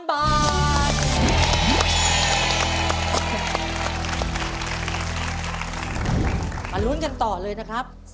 มาลุ้นกันต่อเลยนะครับ